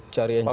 cari yang jangka